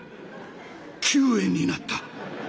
９円になった！